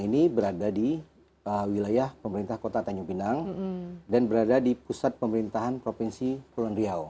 ini berada di wilayah pemerintah kota tanjung pinang dan berada di pusat pemerintahan provinsi pulau nriau